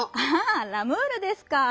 ああ「ラムール」ですか。